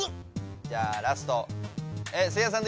じゃあラストえせいやさん